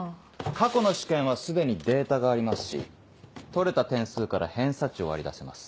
過去の試験は既にデータがありますし取れた点数から偏差値を割り出せます。